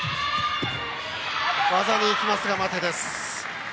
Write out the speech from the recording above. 技に行きますが、待て。